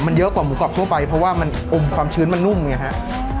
มันเยอะกว่าหมูกรอบทั่วไปเพราะว่ามันอมความชื้นมันนุ่มไงฮะ